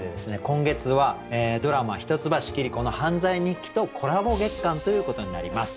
今月はドラマ「一橋桐子の犯罪日記」とコラボ月間ということになります。